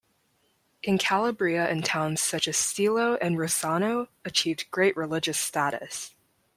In Calabria and towns such as Stilo and Rossano achieved great religious status.